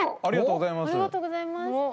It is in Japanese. ありがとうございます。